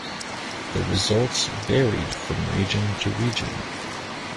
The results varied from region to region.